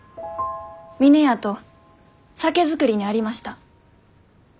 峰屋と酒造りにありました。